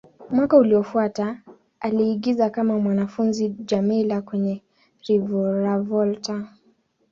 Mwaka uliofuata, aliigiza kama mwanafunzi Djamila kwenye "Reviravolta".